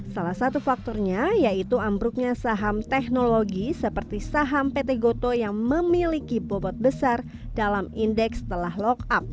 salah satu faktornya yaitu ambruknya saham teknologi seperti saham pt gotoh yang memiliki bobot besar dalam indeks telah lock up